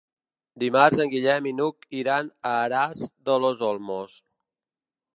Dimarts en Guillem i n'Hug iran a Aras de los Olmos.